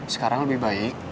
sekarang lebih baik